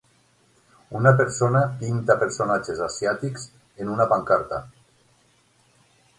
Una persona pinta personatges asiàtics en una pancarta.